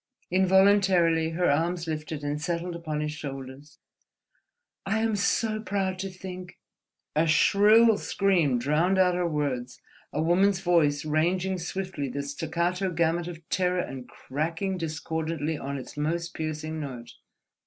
Involuntarily her arms lifted and settled upon his shoulders. "I am so proud to think—" A shrill scream drowned out her words, a woman's voice ranging swiftly the staccato gamut of terror and cracking discordantly on its most piercing note.